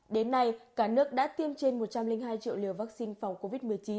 đến nay cả nước đã tiêm trên một trăm linh hai triệu liều vaccine phòng covid một mươi chín